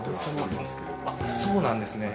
そうなんですね。